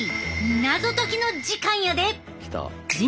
謎解きの時間やで！